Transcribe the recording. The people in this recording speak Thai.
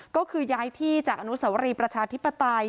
ก็คือย้ายที่จากอนุสวรีประชาธิปไตย